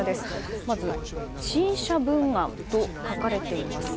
まず、陳謝文案と書かれています。